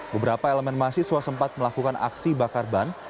beberapa elemen mahasiswa sempat melakukan aksi bakar ban